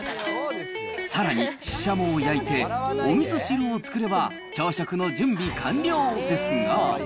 さらに、シシャモを焼いておみそ汁を作れば、朝食の準備完了ですが。